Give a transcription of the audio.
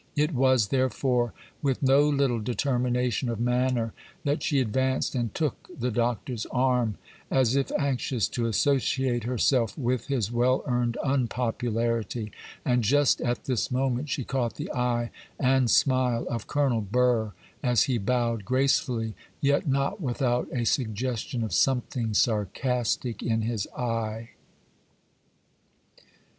It was, therefore, with no little determination of manner that she advanced and took the Doctor's arm, as if anxious to associate herself with his well earned unpopularity; and just at this moment she caught the eye and smile of Colonel Burr, as he bowed gracefully, yet not without a suggestion of something sarcastic in his eye.